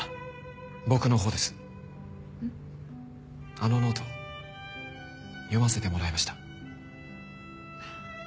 あのノート読ませてもらいました。